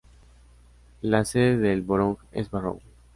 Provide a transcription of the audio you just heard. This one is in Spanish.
La sede del borough es Barrow.